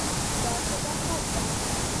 دا صداقت ده.